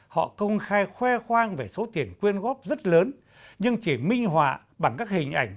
họ công khai khoe khoang về số tiền quyên góp rất lớn nhưng chỉ minh họa bằng các hình ảnh